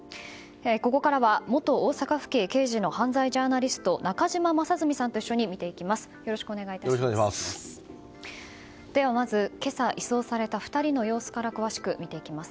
ここからは、元大阪府警刑事の犯罪ジャーナリスト中島正純さんと一緒に見ていきます。